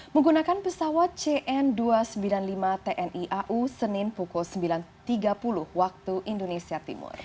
menggunakan pesawat cn dua ratus sembilan puluh lima tni au senin pukul sembilan tiga puluh waktu indonesia timur